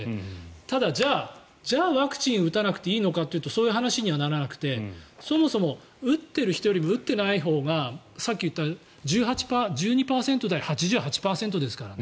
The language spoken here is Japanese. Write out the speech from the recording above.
ただ、じゃあワクチン打たなくていいのかというとそういう話にはならなくてそもそも打っている人よりも打っていないほうがさっき言った１２％対８８％ですからね。